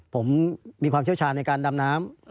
ผมมีความเชี่ยวชาญในการดำน้ำ